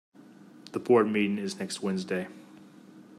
The board meeting is next Wednesday.